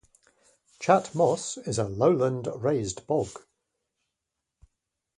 Chat Moss is a lowland raised bog.